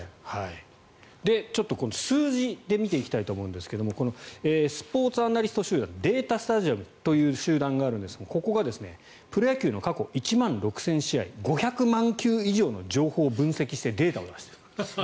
ちょっと数字で見ていきたいと思うんですがスポーツアナリスト集団のデータスタジアムという集団があるんですがここがプロ野球の過去１万６０００試合５００万球以上のデータを分析して、データを出している。